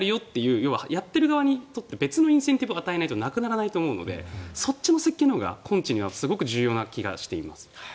要はやっている側にとって別のインセンティブを与えないとなくならないと思うのでそっちの設計のほうが根治にはすごく重要な気がしています。